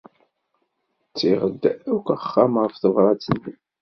Ttiɣ-d akk axxam ɣef tebṛat-nni.